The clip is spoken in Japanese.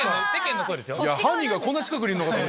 犯人がこんな近くにいるのかと。